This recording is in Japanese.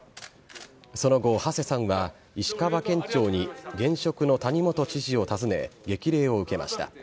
その後、馳さんは石川県庁に現職の谷本知事を訪ね、激励を受けました。